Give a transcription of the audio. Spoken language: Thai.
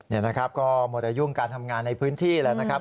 นี่นะครับก็หมดอายุการทำงานในพื้นที่แล้วนะครับ